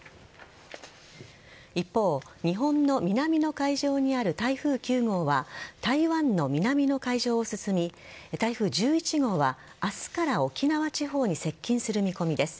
一方、日本の南の海上にある台風９号は台湾の南の海上を進み台風１１号は、明日から沖縄地方に接近する見込みです。